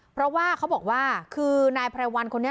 เพราะว่าเขาบอกว่าคือนายไพรวัลคนนี้